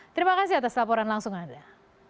terima kasih atas laporan langsung anda